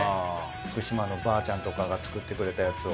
福島のばあちゃんとかが作ってくれたやつを。